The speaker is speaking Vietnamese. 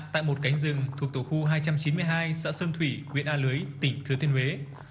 tại một cánh rừng thuộc tổ khu hai trăm chín mươi hai xã sơn thủy huyện a lưới tỉnh thừa thiên huế